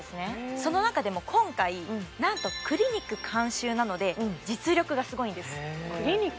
その中でも今回なんとクリニック監修なので実力がすごいんですクリニック